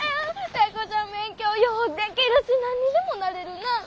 タイ子ちゃん勉強ようでけるし何にでもなれるな。